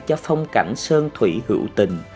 cho phong cảnh sơn thủy hữu tình